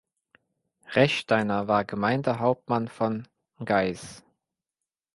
Rechsteiner war Gemeindehauptmann von Gais.